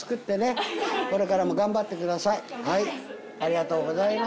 これからも頑張ってください。